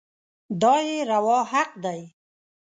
دا يې روا حق دی.